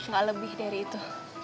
gak lebih dari itu